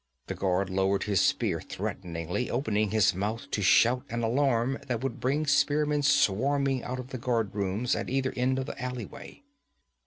The guard lowered his spear threateningly, opening his mouth to shout an alarm that would bring spearmen swarming out of the guardrooms at either end of the alleyway.